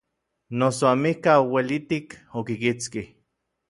Noso amikaj ouelitik okikitskij.